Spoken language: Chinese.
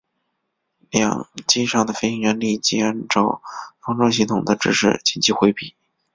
两机上的飞行员立即按照防撞系统的指示紧急回避。